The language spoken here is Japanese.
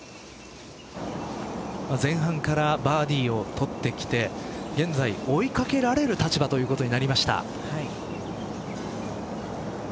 前半からバーディーを取ってきて現在、追い掛けられる立場ということになりました。